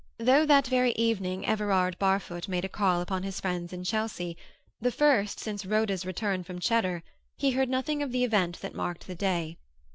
Though that very evening Everard Barfoot made a call upon his friends in Chelsea, the first since Rhoda's return from Cheddar, he heard nothing of the event that marked the day.